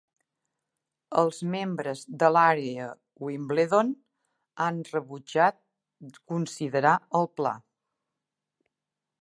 Els membres de l'àrea Wimbledon han rebutjat considerar el pla.